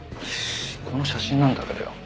この写真なんだけどよ。